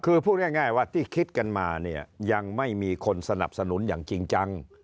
คือพูดง่ายว่าที่คิดกันมาเนี่ยยังไม่มีคนสนับสนุนอย่างจริงจัง